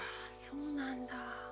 そうなんだ。